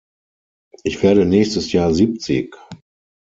Ich werde nächstes Jahr siebzig.